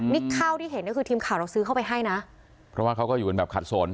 นี่ข้าวที่เห็นเนี่ยคือทีมข่าวเราซื้อเข้าไปให้นะเพราะว่าเขาก็อยู่กันแบบขัดสน